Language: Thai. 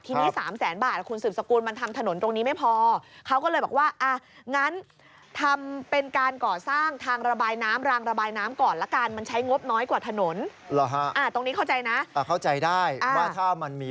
ที่นี่๓๐๐๐๐๐บาทคุณสืบสกุลมันทำถนนตรงนี้ไม่พอ